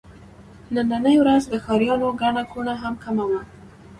نننۍ ورځ د ښاريانو ګڼه ګوڼه هم کمه وه.